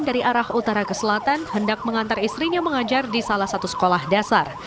dari arah utara ke selatan hendak mengantar istrinya mengajar di salah satu sekolah dasar